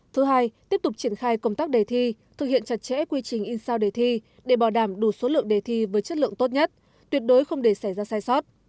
thứ hai tiếp tục triển khai công tác đề thi thực hiện chặt chẽ quy trình in sao đề thi để bảo đảm đủ số lượng đề thi với chất lượng tốt nhất tuyệt đối không để xảy ra sai sót